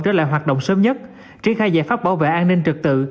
trở lại hoạt động sớm nhất triển khai giải pháp bảo vệ an ninh trực tự